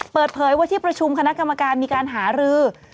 เปิดเผยว่าที่ประชุมคณะกรรมการมีการหารือ